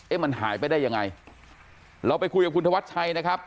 มันหายไปได้ยังไงเราไปคุยกับคุณธวัชชัยนะครับ